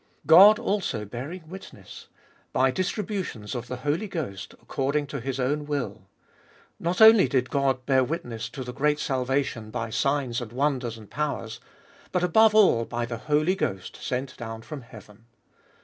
God also bearing witness, by distributions of the Holy Ghost, according to His own will. Not only did God bear witness 70 Sbe Doliest of BU to the great salvation by signs and wonders and powers, but above all by the Holy Ghost sent down from heaven.